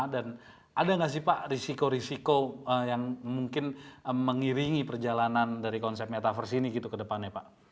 dan ada gak sih pak risiko risiko yang mungkin mengiringi perjalanan dari konsep metaverse ini gitu ke depannya pak